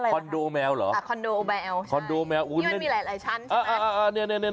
คอนโดแมวครับคอนโดแมวมีบางชั้นไหม